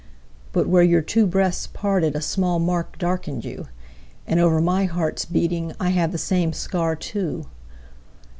But where your two breasts partedA small mark darkened you, And over my heart's beatingI have the same scar too.